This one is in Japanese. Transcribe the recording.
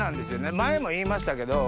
前も言いましたけど。